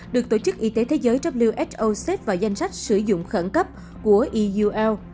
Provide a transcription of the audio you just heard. được tổ chức y tế thế giới who xếp vào danh sách sử dụng khẩn cấp của eo